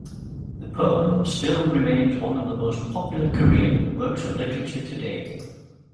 The poem still remains one of the most popular Korean works of literature today.